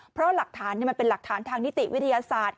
เพราะหลักฐานมันเป็นหลักฐานทางนิติวิทยาศาสตร์